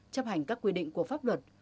chấp hành các quy định của pháp luật